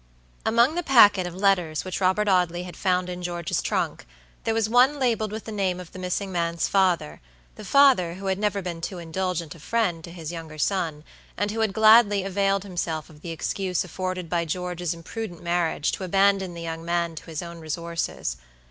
Among the packet of letters which Robert Audley had found in George's trunk, there was one labeled with the name of the missing man's fatherthe father, who had never been too indulgent a friend to his younger son, and who had gladly availed himself of the excuse afforded by George's imprudent marriage to abandon the young man to his own resources.